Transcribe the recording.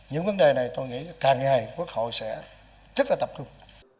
những vấn đề này tôi nghĩ càng ngày quốc hội sẽ rất là tập trung